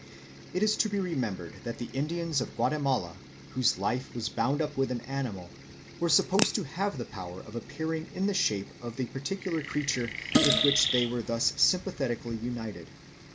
It is to be remembered that the Indians of Guatemala, whose life was bound up with an animal, were supposed to have the power of appearing in the shape of the particular creature with which they were thus sympathetically united.